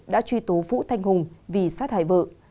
đã truy tố vũ thanh hùng vì sát hại vợ